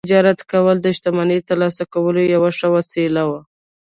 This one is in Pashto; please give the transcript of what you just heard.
تجارت کول د شتمنۍ ترلاسه کولو یوه ښه وسیله وه